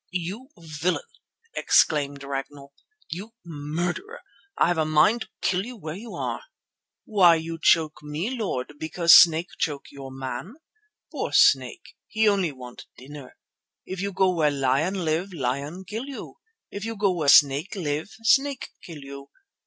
"You villain!" exclaimed Ragnall, "you murderer! I have a mind to kill you where you are." "Why you choke me, Lord, because snake choke your man? Poor snake, he only want dinner. If you go where lion live, lion kill you. If you go where snake live, snake kill you.